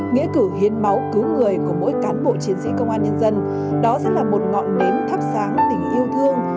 nghĩa cử hiến máu cứu người của mỗi cán bộ chiến sĩ công an nhân dân đó sẽ là một ngọn nến thắp sáng tình yêu thương